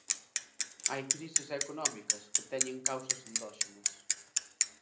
Hai crises económicas que teñen causas endóxenas.